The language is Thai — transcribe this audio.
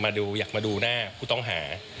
อยากมาดูหน้าผู้ต้องหา